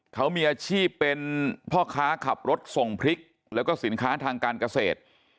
เขามีอาชีพเป็นพ่อค้าขับรถส่งพริกแล้วก็สินค้าทางการเกษตร